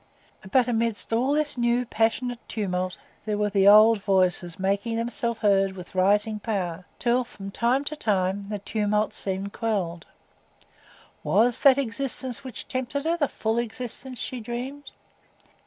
But amidst all this new passionate tumult there were the old voices making themselves heard with rising power, till, from time to time, the tumult seemed quelled. Was that existence which tempted her the full existence she dreamed?